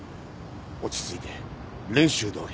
落ち着いて練習どおり。